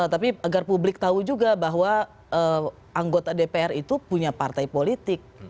tapi agar publik tahu juga bahwa anggota dpr itu punya partai politik